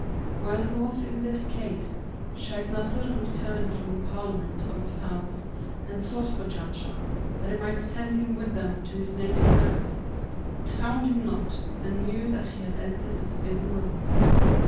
While he was in this case Shaykh Nasr returned from the Parliament of the Fowls and sought for Janshah, that he might send him with them to his native land, but found him not and knew that he had entered the forbidden room.